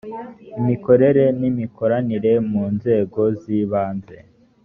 imikorere n imikoranire mu nzego z ibanze